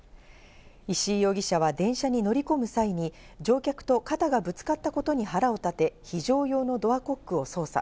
石井容疑者は電車に乗り込む際に乗客と肩がぶつかったことに腹を立て、非常用のドアコックを操作。